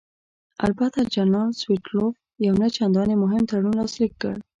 البته جنرال ستولیتوف یو نه چندانې مهم تړون لاسلیک کړ.